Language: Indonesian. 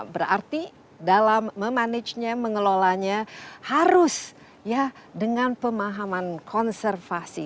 berarti dalam memanagenya mengelolanya harus ya dengan pemahaman konservasi